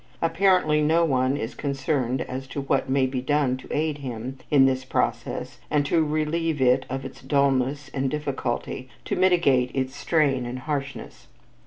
Apparently no one is concerned as to what may be done to aid him in this process and to relieve it of its dullness and difficulty, to mitigate its strain and harshness.